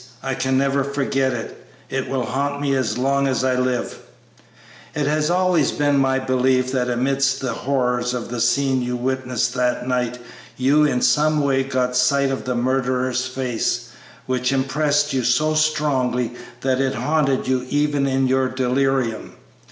I can never forget it; it will haunt me as long as I live!' It has always been my belief that amidst the horrors of the scene you witnessed that night, you in some way got sight of the murderer's face, which impressed you so strongly that it haunted you even in your delirium.